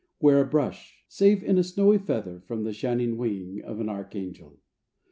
Where a brush — save in a snowy feather From the shining wing of an archangel.